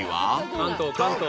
関東関東。